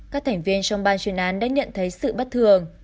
các thành viên trong ban chuyên án đã nhận thấy sự bất thường